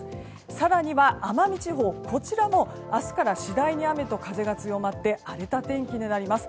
更には奄美地方も明日から次第に雨と風が強まって荒れた天気になります。